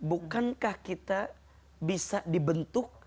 bukankah kita bisa dibentuk